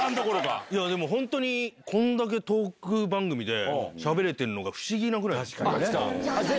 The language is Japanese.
でも本当に、こんだけトーク番組でしゃべれてるのが不思議なくらいですよ。